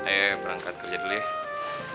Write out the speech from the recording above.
eh berangkat kerja dulu ya